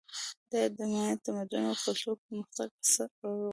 دا د مایا تمدن او کلتور پرمختګ عصر و.